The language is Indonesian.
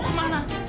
tidak ada suara apa